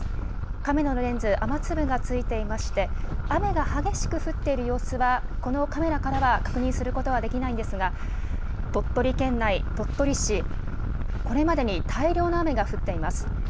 カメラのレンズ、雨粒がついていまして、雨が激しく降っている様子は、このカメラからは確認することはできないんですが、鳥取県内、鳥取市、これまでに大量の雨が降っています。